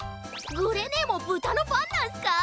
グレねえも豚のファンなんすか？